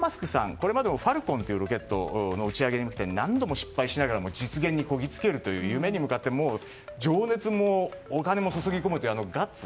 これまでも「ファルコン」というロケットの打ち上げに何度も失敗しながらも実現にこぎつけるという夢に向かって情熱もお金も注ぎ込むあのガッツ。